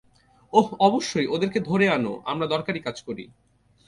ওহ অবশ্যই, ওদেরকে ধরে আনো, আমরা দরকারী কাজ করি।